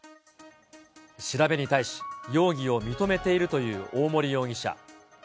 調べに対し、容疑を認めているという大森容疑者。